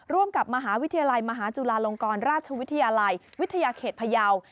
ร่วมกับมหาวิทยาลัยมหาจุฬาลงกรราชวิทยาลัยวิทยาเขตพยาว